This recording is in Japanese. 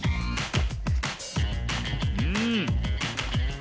うん。